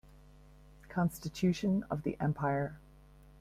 Constitution of the empire.